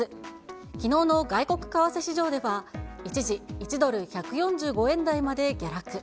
きのうの外国為替市場では一時、１ドル１４５円台まで下落。